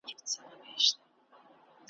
زموږ هدف د پلار له مخه د يوسف ليري کول دي.